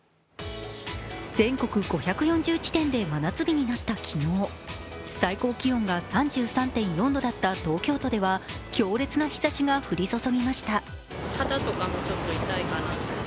全国５４０地点で真夏日になった昨日、最高気温が３３．４度だった東京都では強烈な日ざしが降り注ぎました。